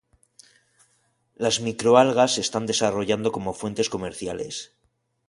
Las microalgas se están desarrollando como fuentes comerciales.